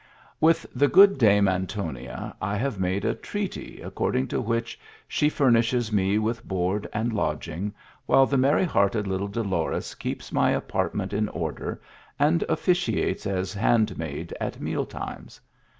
With the good dame Antonia I have made a treaty, according to which, she furnishes me with board and lodging, while the merry hearted little Dolores keeps my apartment in order and officiates as handmaid at meal times.